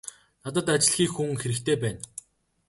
Надад ажил хийх хүн хэрэгтэй байна.